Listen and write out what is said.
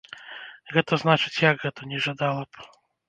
Гэта значыць, як гэта, не жадала б?